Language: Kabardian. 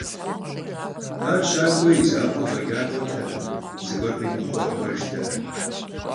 Ar şak'ue yi zakhueu f'eç'a k'uertekhım, zıguer khimıhui khek'uejjırtekhım.